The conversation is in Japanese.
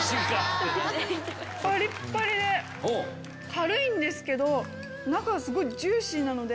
軽いんですけど中すごいジューシーなので。